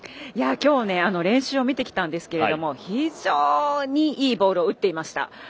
今日、練習を見てきたんですけれども非常にいいボールを打っていました。